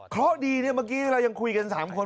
เพราะดีเนี่ยเมื่อกี้เรายังคุยกัน๓คน